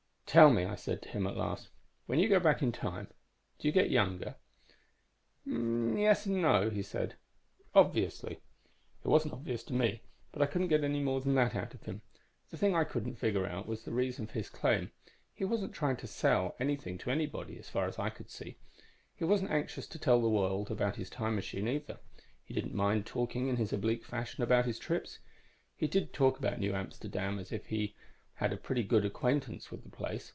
"'Tell me,' I said to him at last, 'when you go back in time do you get younger?' "'Yes and no,' he said. 'Obviously.' "It wasn't obvious to me, but I couldn't get any more than that out of him. The thing I couldn't figure out was the reason for his claim. He wasn't trying to sell anything to anybody, as far as I could see; he wasn't anxious to tell the world about his time machine, either. He didn't mind talking in his oblique fashion about his trips. He did talk about New Amsterdam as if he had a pretty good acquaintance with the place.